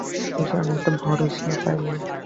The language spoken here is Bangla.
শশী আনেকটা ভরসা পাইল।